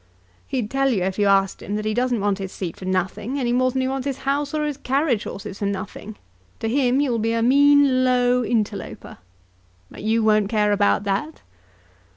He'd tell you if you asked him that he doesn't want his seat for nothing, any more than he wants his house or his carriage horses for nothing. To him you'll be a mean, low interloper. But you won't care about that."